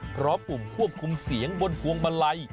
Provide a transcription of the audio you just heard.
พร้อมปุ่มควบคุมเสียงบนพวงบลัย